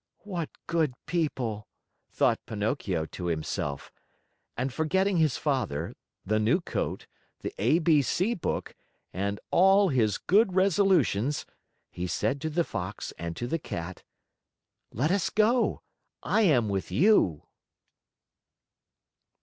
"What good people," thought Pinocchio to himself. And forgetting his father, the new coat, the A B C book, and all his good resolutions, he said to the Fox and to the Cat: "Let us go. I am with you."